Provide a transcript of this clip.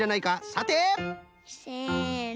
さて？せの。